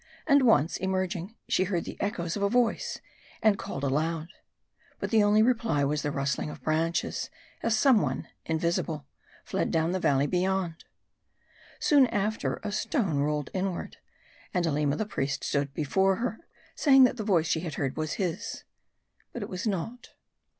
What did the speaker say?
And once, emerging, she heard the echoes of a voice, and called aloud. But the only reply, was the rustling of branches, as some one, invisi ble, fled down the valley beyond. Soon after, a stone rolled inward, and Aleema the' priest stood before her ; saying that the voice she had heard was his. But it was not.